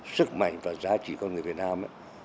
sức mạnh và giá trị con người việt nam